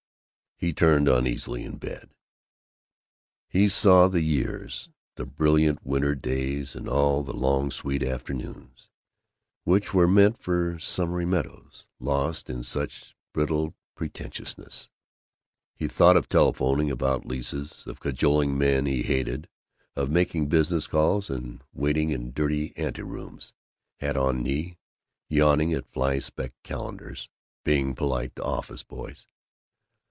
He turned uneasily in bed. He saw the years, the brilliant winter days and all the long sweet afternoons which were meant for summery meadows, lost in such brittle pretentiousness. He thought of telephoning about leases, of cajoling men he hated, of making business calls and waiting in dirty anterooms hat on knee, yawning at fly specked calendars, being polite to office boys.